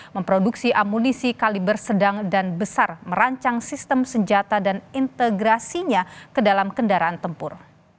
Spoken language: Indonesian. memproduksi amunisi kaliber sedang dan besar merancang sistem senjata dan integrasinya ke dalam kendaraan tempur